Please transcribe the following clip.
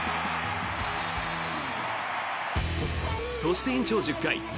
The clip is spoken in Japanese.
そして、延長１０回。